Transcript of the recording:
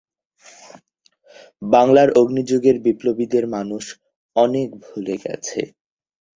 বাংলার অগ্নিযুগের বিপ্লবীদের মানুষ অনেক ভুলে গেছে।